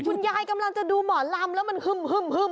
คุณยายกำลังจะดูหมอลำแล้วมันฮึ่มมาแล้วฮึ่ม